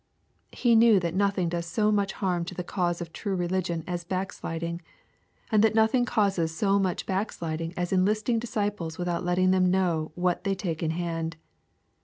He knevvr that nothing does so much harm to the cause of true religion as backsliding, and that nothing causes so much back* sliding as enlisting disciples without letting them know what they take in hand.